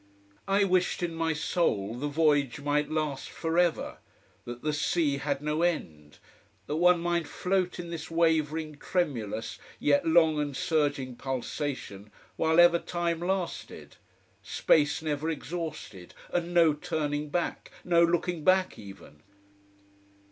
I wished in my soul the voyage might last forever, that the sea had no end, that one might float in this wavering, tremulous, yet long and surging pulsation while ever time lasted: space never exhausted, and no turning back, no looking back, even.